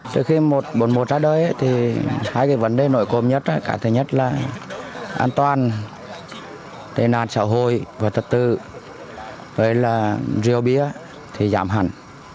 từ khi một trăm bốn mươi một qb ra đời hai vấn đề nội cộng nhất là an toàn tài nạn xã hội và thật tự rượu bia thì giảm hẳn